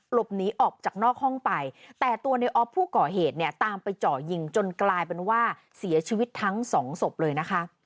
หลบหนีออกจากนอกห้องไปแต่ตัวในออฟผู้ก่อเหตุเนี่ยตามไปเจาะยิงจนกลายเป็นว่าเสียชีวิตทั้งสองศพเลยนะคะ